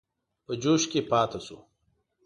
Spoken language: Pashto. په جوش کې پاته شو.